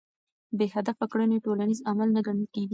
بې هدفه کړنې ټولنیز عمل نه ګڼل کېږي.